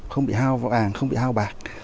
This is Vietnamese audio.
không bị hao vàng không bị hao bạc